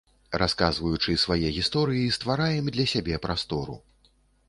Расказваючы свае гісторыі, ствараем для сябе прастору.